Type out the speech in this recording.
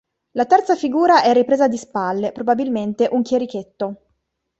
La terza figura è ripresa di spalle, probabilmente un chierichetto.